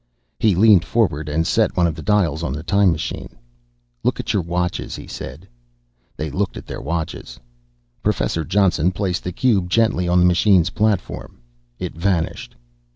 He leaned forward and set one of the dials on the time machine. "Look at your watches," he said. They looked at their watches. Professor Johnson placed the cube gently on the machine's platform. It vanished.